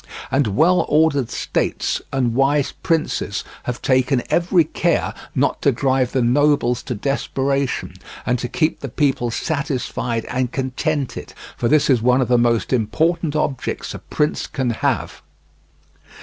And well ordered states and wise princes have taken every care not to drive the nobles to desperation, and to keep the people satisfied and contented, for this is one of the most important objects a prince can have.